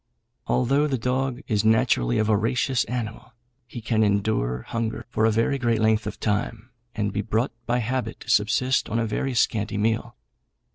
Although the dog is naturally a voracious animal, he can endure hunger for a very great length of time, and be brought by habit to subsist on a very scanty meal.